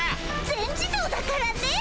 全自動だからね。